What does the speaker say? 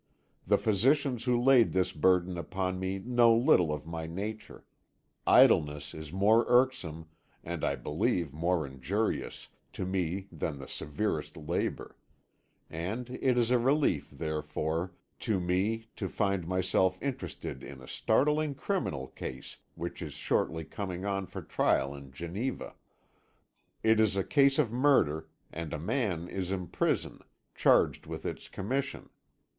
The physicians who laid this burden upon me know little of my nature; idleness is more irksome, and I believe more injurious, to me than the severest labour; and it is a relief, therefore, to me to find myself interested in a startling criminal case which is shortly coming on for trial in Geneva. It is a case of murder, and a man is in prison, charged with its commission.